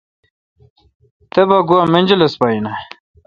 تے گوا منجلس پا این آں؟